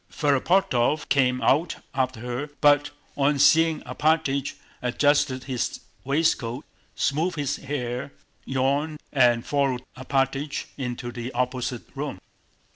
Ferapóntov came out after her, but on seeing Alpátych adjusted his waistcoat, smoothed his hair, yawned, and followed Alpátych into the opposite room.